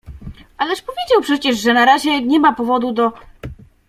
— Ależ powiedział przecież, że na razie nie ma powodu do…